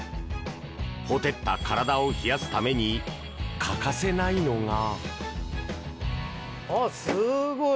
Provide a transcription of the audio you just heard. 火照った体を冷やすために欠かせないのが。